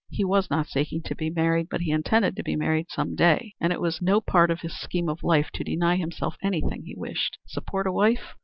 He was not seeking to be married, but he intended to be married some day, and it was no part of his scheme of life to deny himself anything he wished. Support a wife?